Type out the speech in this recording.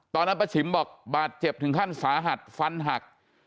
ป้าฉิมบอกบาดเจ็บถึงขั้นสาหัสฟันหัก